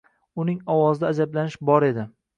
Uning ovozida ajablanish bor edi